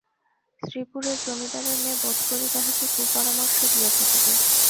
শ্রীপুরের জমিদারের মেয়ে বোধ করি তাহাকে কুপরামর্শ দিয়া থাকিবে।